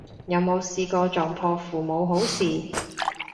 有冇試過撞破父母好事